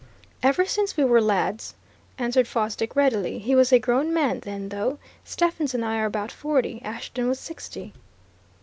"Ever since we were lads," answered Fosdick readily. "He was a grown man, then, though. Stephens and I are about forty Ashton was sixty."